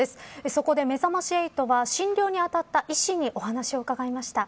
そこで、めざまし８は診療にあたった医師にお話を伺いました。